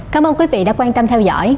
cảm ơn quý vị đã quan tâm theo dõi